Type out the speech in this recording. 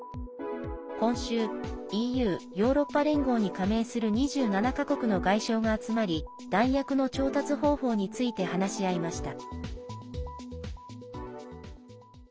今週、ＥＵ＝ヨーロッパ連合に加盟する２７か国の外相が集まり弾薬の調達方法について話し合いました。